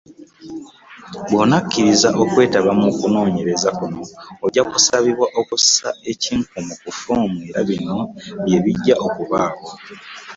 Bw’onakkiriza okwetaba mu kunoonyereza kuno ojja kusabibwa okussa ekinkumu ku foomu era bino bye bijja okubaawo.